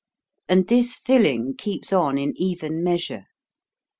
And this filling keeps on in even measure.